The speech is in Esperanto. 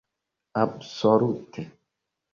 absolute